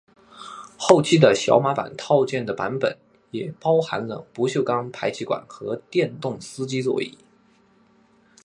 后期的小马版套件的版本也包含了不锈钢排气管和电动司机座椅。